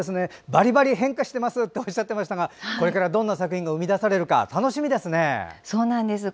バリバリ変化してますっておっしゃってましたがこれから、どんな作品が生み出されるか楽しみですね。